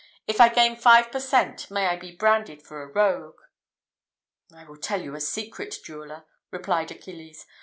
If I gain five per cent., may I be branded for a rogue!" "I will tell you a secret, jeweller," replied Achilles.